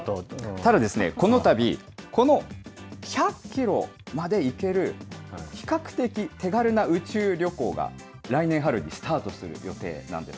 ただですね、このたび、この１００キロまで行ける、比較的手軽な宇宙旅行が、来年春にスタートする予定なんです。